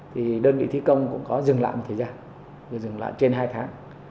thì đơn vị thi công cũng có dừng lại một thời gian dừng lại trên hai tháng